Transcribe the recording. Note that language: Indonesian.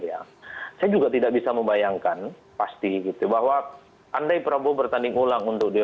saya juga tidak bisa membayangkan pasti gitu bahwa andai prabowo bertanding ulang untuk dua ribu dua puluh empat